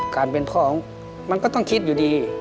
การเป็นพ่อของมันก็ต้องคิดอยู่ดี